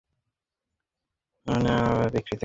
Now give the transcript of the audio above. আব্রে Smith এবং Mark Rylance একসাথে অভিনয় করেছেন।